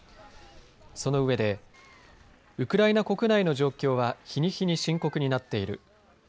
そのうえでウクライナ国内の状況は日に日に深刻になっている。